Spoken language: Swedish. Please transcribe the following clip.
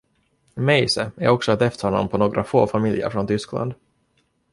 Meise är också ett efternamn på några få familjer från Tyskland.